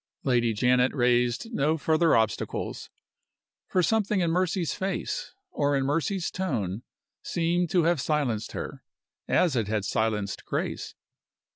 Lady Janet raised no further obstacles. For something in Mercy's face, or in Mercy's tone, seemed to have silenced her, as it had silenced Grace.